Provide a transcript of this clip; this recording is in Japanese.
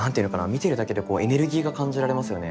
見てるだけでこうエネルギーが感じられますよね。